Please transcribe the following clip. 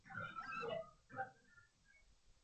整个车站留有两个出入口。